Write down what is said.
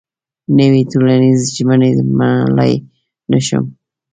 نوې ټولنيزې ژمنې منلای نه شم.